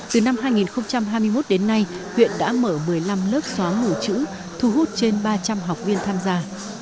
từ năm hai nghìn hai mươi một đến nay huyện đã mở một mươi năm lớp xóa mù chữ thu hút trên ba trăm linh học viên tham gia